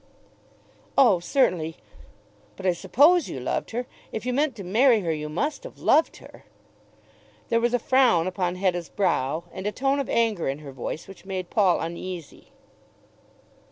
"Oh, certainly. But I suppose you loved her. If you meant to marry her you must have loved her." There was a frown upon Hetta's brow and a tone of anger in her voice which made Paul uneasy.